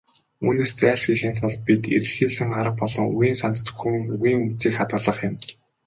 Үүнээс зайлсхийхийн тулд бидний эрэлхийлсэн арга бол үгийн санд зөвхөн "үгийн үндсийг хадгалах" юм.